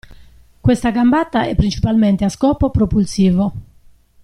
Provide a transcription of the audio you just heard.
Questa gambata è principalmente a scopo propulsivo.